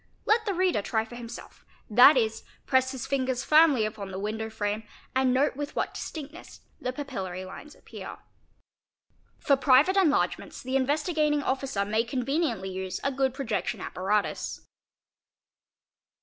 Let the reader try for himself, that is press his fingers firmly upon the window frame and note with what distinctness the papillary lines appear®". For private enlargements the Investigating Officer may conveniently use a good projection apparatus.